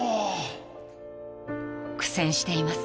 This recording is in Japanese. ［苦戦しています］